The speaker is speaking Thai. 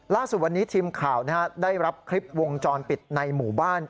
ล่าสุดวันนี้ทีมข่าวได้รับคลิปวงจรปิดในหมู่บ้าน